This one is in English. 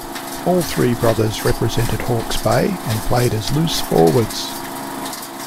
All three brothers represented Hawke's Bay and played as loose forwards.